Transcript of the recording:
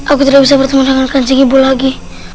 aku tidak bisa bertemu dengan kancing ibu lagi